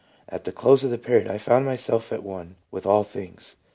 ... At the close of the period I found myself at one with all things.